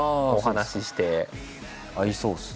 合いそうですね。